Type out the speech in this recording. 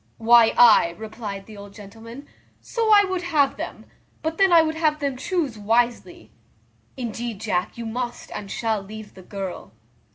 "Why, ay," replied the old gentleman, "so I would have them; but then I would have them chuse wisely. Indeed, Jack, you must and shall leave the girl."